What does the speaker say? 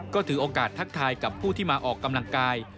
ก็ถือโอกาสทักทายกับผู้ที่มาออกกำลังกาย